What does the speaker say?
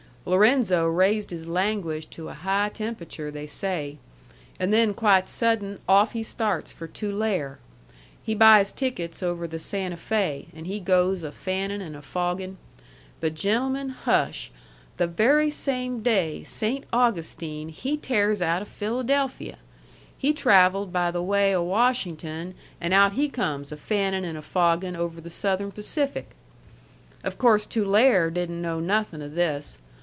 Lorenzo raised his language to a high temperature, they say. An' then quite sudden off he starts for Tulare. He buys tickets over the Santa Fe, and he goes a fannin' and a foggin'. But, gentlemen, hush! The very same day Saynt Augustine he tears out of Philadelphia. He travelled by the way o' Washington, an' out he comes a fannin' an' a foggin' over the Southern Pacific. Of course Tulare didn't know nothin' of this.